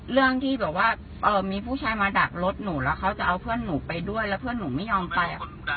เรื่องที่แบบว่ามีผู้ชายมาดักรถหนูแล้วเขาจะเอาเพื่อนหนูไปด้วยแล้วเพื่อนหนูไม่ยอมไป